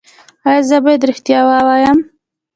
ایا زه باید ریښتیا ووایم؟